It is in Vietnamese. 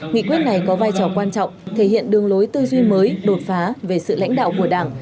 nghị quyết này có vai trò quan trọng thể hiện đường lối tư duy mới đột phá về sự lãnh đạo của đảng